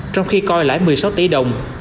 trong khi coi lãi một mươi sáu tỷ đồng